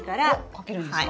かけるんですか？